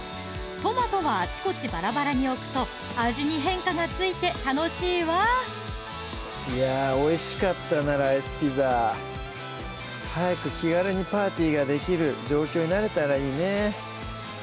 トマトはあちこちバラバラに置くと味に変化がついて楽しいわいやおいしかったな「ライスピザ」早く気軽にパーティーができる状況になれたらいいね